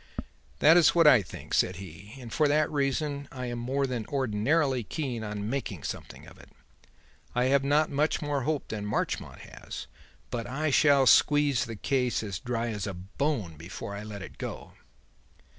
"That is what I think," said he; "and for that reason I am more than ordinarily keen on making something of it. I have not much more hope than Marchmont has; but I shall squeeze the case as dry as a bone before I let go.